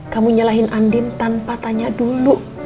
kamu nyalahin andin tanpa tanya dulu